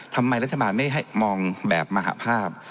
ทำไมรัฐบาลไม่ให้มองแบบมหาภาพ